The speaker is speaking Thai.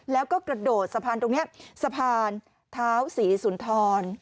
แล้วก็กระโดดสะพานตรงนี้สะพานเท้าศรีสุนทร